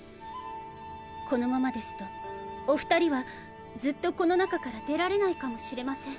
このままですとお２人はずっとこの中から出られないかもしれません。